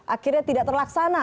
akhirnya tidak terlaksana